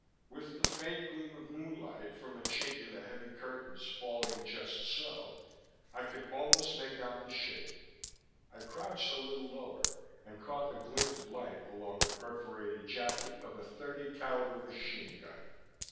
With the faint gleam of moonlight from a chink in the heavy curtains falling just so, I could almost make out the shape; I crouched a little lower, and caught the glint of light along the perforated jacket of a .30 calibre machine gun.